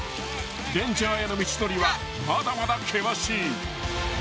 ［レンジャーへの道のりはまだまだ険しい］